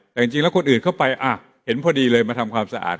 แต่จริงแล้วคนอื่นเข้าไปเห็นพอดีเลยมาทำความสะอาด